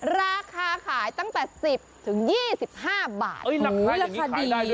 ราคาขายตั้งแต่สิบถึงยี่สิบห้าบาทเอ้ยราคาอย่างงี้ขายได้ด้วยเหรอ